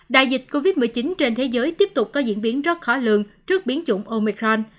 đại dịch covid một mươi chín trên thế giới tiếp tục có diễn biến rất khó lường trước biến chủng omicron